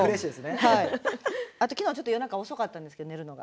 あと昨日ちょっと夜中遅かったんですけど寝るのが。